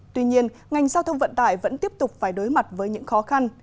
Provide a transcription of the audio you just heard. tuy nhiên ngành giao thông vận tải vẫn tiếp tục phải đối mặt với những khó khăn